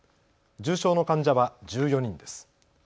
重症の患者は１４人です。